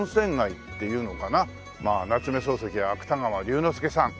まあ夏目漱石や芥川龍之介さん